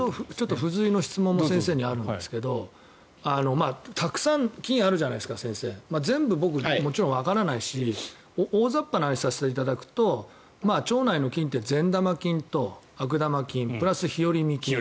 付随の質問が先生にあるんですけどたくさん菌があるじゃないですか全部、僕もちろんわからないし大雑把な話をさせていただくと腸内の菌って善玉菌と悪玉菌プラス日和見菌